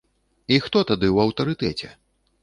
І хто тады ў аўтарытэце?